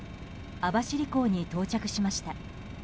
網走港に到着しました。